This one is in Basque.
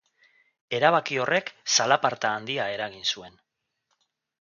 Erabaki horrek zalaparta handia eragin zuen.